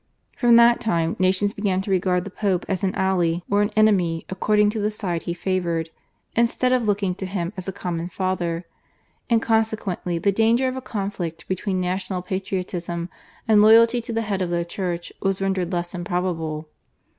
From that time nations began to regard the Pope as an ally or an enemy according to the side he favoured instead of looking to him as a common father, and consequently the danger of a conflict between national patriotism and loyalty to the Head of the Church was rendered less improbable.